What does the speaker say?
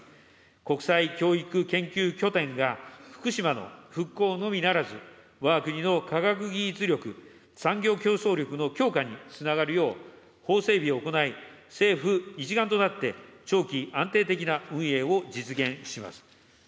国際教育研究拠点が福島の復興のみならず、わが国の科学技術力・産業競争力の強化につながるよう、法整備を行い、政府一丸となって長期・安定的な運営を実現します。